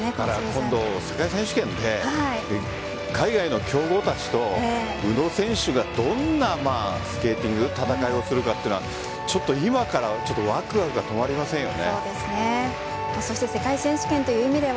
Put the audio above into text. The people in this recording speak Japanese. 今度、世界選手権で海外の強豪たちと宇野選手がどんなスケーティング戦いをするかというのは今からわくわくが止まりませんよね。